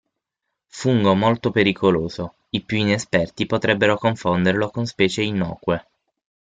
Fungo molto pericoloso: i più inesperti potrebbero confonderlo con specie innocue.